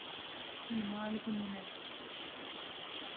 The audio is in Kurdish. Li malê bimîne.